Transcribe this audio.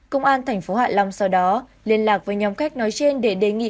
công an thành phố hạ long sau đó liên lạc với nhóm khách nói trên để đề nghị